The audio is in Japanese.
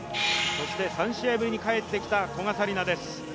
そして３試合ぶりに帰ってきた古賀紗理那です。